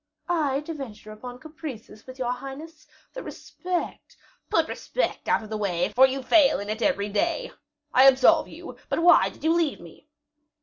"I to venture upon caprices with your highness! The respect " "Put respect out of the way, for you fail in it every day. I absolve you; but why did you leave me?"